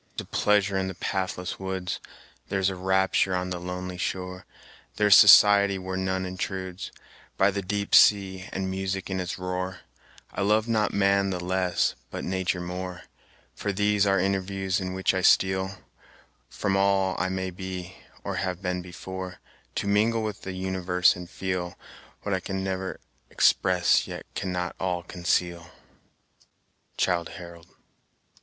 "There is a pleasure in the pathless woods, There is a rapture on the lonely shore. There is society where none intrudes, By the deep sea, and music in its roar: I love not man the less, but nature more, From these our interviews, in which I steal From all I may be, or have been before, To mingle with the universe, and feel What I can ne'er express, yet cannot all conceal" Childe Harold.